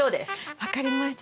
分かりました。